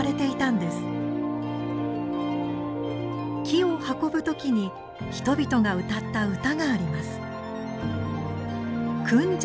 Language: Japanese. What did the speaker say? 木を運ぶ時に人々が歌った唄があります。